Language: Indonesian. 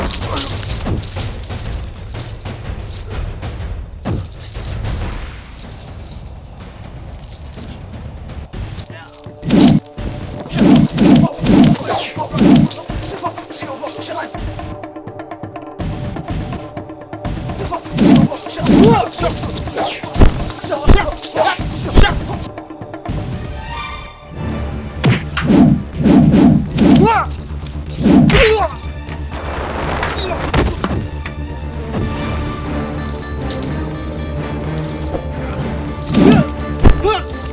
kau tidak akan mengkhianati guruku sendiri